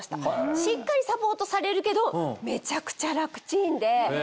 しっかりサポートされるけどめちゃくちゃ楽チンで。